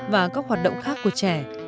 và các hoạt động khác của trẻ